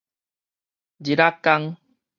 日仔工